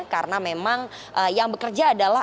karena memang yang bekerja adalah